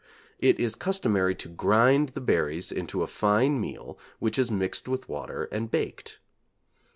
It is customary to grind the berries into a fine meal which is mixed with water and baked.